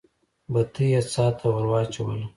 بتۍ يې څا ته ور واچوله.